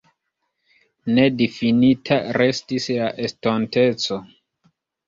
Nedifinita restis la estonteco.